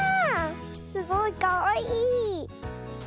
すごいかわいい。